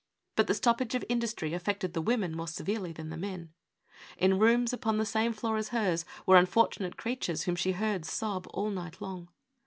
But the stoppage of industry affected the women more severely than the men. In rooms upon OUT OF WORK. 829 the same floor as hers were unfortunate creatures whom she heard sob all night long.